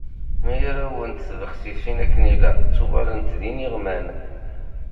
Mi ara wwent tbexsisin akken i ilaq, ttuɣalent d iniɣman.